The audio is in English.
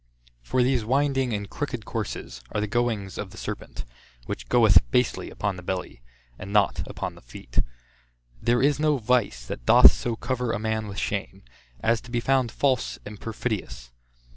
For these winding, and crooked courses, are the goings of the serpent; which goeth basely upon the belly, and not upon the feet. There is no vice, that doth so cover a man with shame, as to be found false and perfidious.